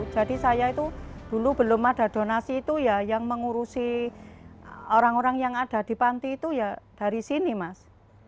jadi saya itu dulu belum ada donasi itu ya yang mengurusi orang orang yang ada di panti itu ya dari sini mas